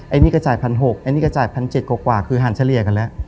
ไอ้นี่ก็จ่ายพันหกไอ้นี่ก็จ่ายพันเจ็ดกว่ากว่าคือหันเฉลี่ยกันแล้ว